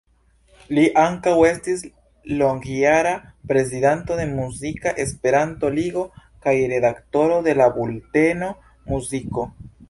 Li ankaŭ estis longjara prezidanto de Muzika Esperanto-Ligo kaj redaktoro de la bulteno "Muziko".